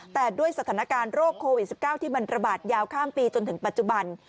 แต่ด้วยสถานการณ์โรคโควิด๑๙ที่มันระบาดยาวข้ามปีจนถึงปัจจุบัน